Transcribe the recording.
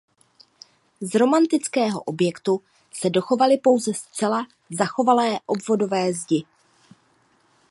Z romantického objektu se dochovaly pouze zcela zachovalé obvodové zdi.